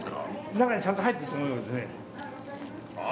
中にちゃんと入ってると思いますけどねああ